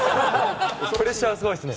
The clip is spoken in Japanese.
プレッシャーはすごいですね。